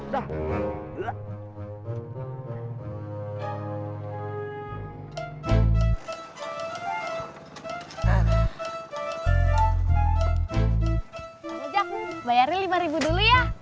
bang ojak bayarin lima ribu dulu ya